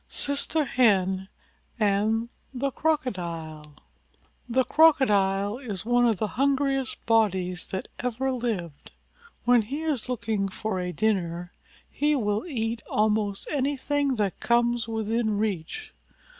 SISTER HEN AND THE CROCODILE The Crocodile is one of the hungriest bodies that ever lived. When he is looking for a dinner he will eat almost anything that comes within reach.